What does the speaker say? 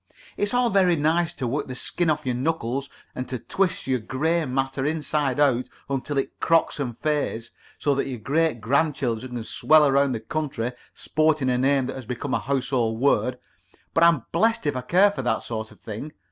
It's all very nice to work the skin off your knuckles, and to twist your gray matter inside out until it crocks and fades, so that your great grandchildren can swell around the country sporting a name that has become a household word, but I'm blessed if I care for that sort of thing.